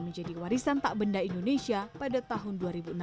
menjadi warisan tak benda indonesia pada tahun dua ribu enam